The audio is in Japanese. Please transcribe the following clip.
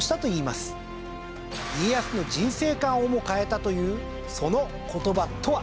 家康の人生観をも変えたというその言葉とは？